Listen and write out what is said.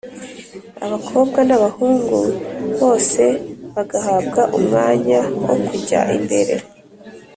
abakobwa n’abahungu, bose bagahabwa umwanya wo kujya imbere